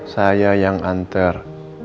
saya yang antar